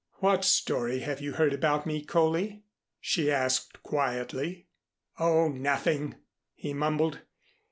"What story have you heard about me, Coley?" she asked quietly. "Oh, nothing," he mumbled.